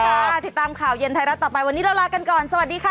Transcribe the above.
ติดตามข่าวเย็นไทยรัฐต่อไปวันนี้เราลากันก่อนสวัสดีค่ะ